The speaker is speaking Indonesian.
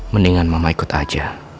mendingan mama ikut aja